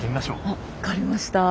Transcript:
あっ分かりました。